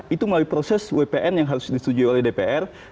itu melalui proses wpn yang harus disetujui oleh dpr